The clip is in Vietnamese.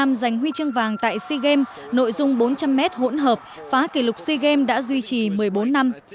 việt nam giành huy chương vàng tại sea games nội dung bốn trăm linh m hỗn hợp phá kỷ lục sea games đã duy trì một mươi bốn năm